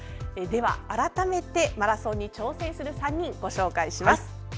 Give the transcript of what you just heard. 改めてマラソンに挑戦する３人をご紹介します。